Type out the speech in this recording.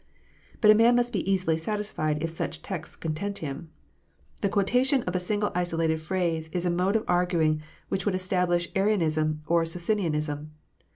But a man must be easily satisfied if such texts con tent him. The quotation of a single isolated phrase is a mode of arguing which would establish Arianism or Socinianism.